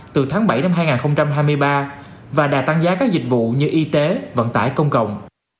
từ tháng bảy năm hai nghìn hai mươi ba và đã tăng giá các dịch vụ như y tế vận tải công cộng